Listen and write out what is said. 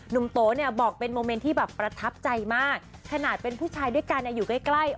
โตเนี่ยบอกเป็นโมเมนต์ที่แบบประทับใจมากขนาดเป็นผู้ชายด้วยกันอยู่ใกล้